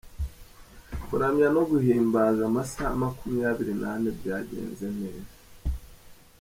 Kuramya no guhimbaza Amasaaha makumyabiri nane byagenze neza